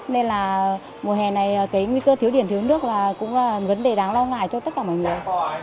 nên là mùa hè này cái nguy cơ thiếu điện thiếu nước là cũng là vấn đề đáng lo ngại cho tất cả mọi người